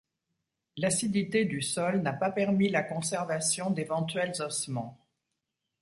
L'acidité du sol n'a pas permis la conservation d'éventuels ossements.